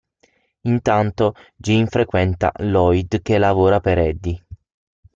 Intanto Jean frequenta Lloyd che lavora per Eddie.